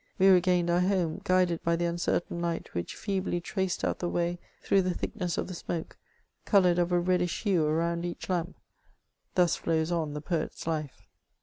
We regained our home, guided by the uncertain light which feebly traced out the way through the thickness of the smoke, coloured of a reddish hue around each lamp : thus flows on the poet's life.